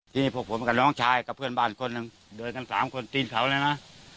ที่พวกผมกับน้องชายกับเพื่อนบ้านคนหนึ่งเดินทั้งสามคนตีนเขาเลยนะ